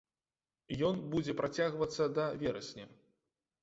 Ён будзе працягвацца да верасня.